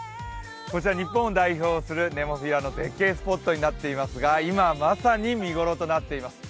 こちら日本を代表するネモフィラの絶景スポットになっていますが今まさに見頃となっています。